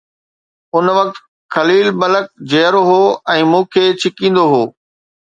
ان وقت خليل ملڪ جيئرو هو ۽ مون کي ڇڪيندو هو.